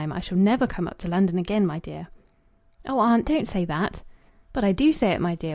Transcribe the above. I shall never come up to London again, my dear." "Oh, aunt, don't say that!" "But I do say it, my dear.